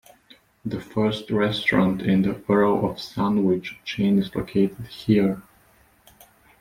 The first restaurant in the Earl of Sandwich chain is located here.